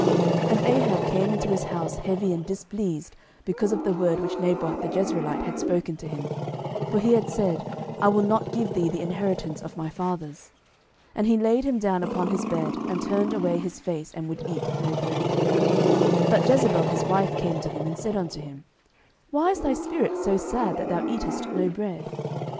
11:021:004 And Ahab came into his house heavy and displeased because of the word which Naboth the Jezreelite had spoken to him: for he had said, I will not give thee the inheritance of my fathers. And he laid him down upon his bed, and turned away his face, and would eat no bread. 11:021:005 But Jezebel his wife came to him, and said unto him, Why is thy spirit so sad, that thou eatest no bread?